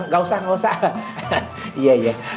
gak usah gak usah